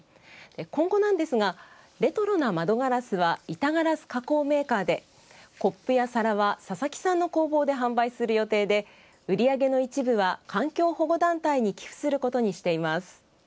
今後なんですが、レトロな窓ガラスは板ガラス加工メーカーでコップや皿は佐々木さんの工房で販売する予定で売り上げの一部は環境保護団体に寄付することにしています。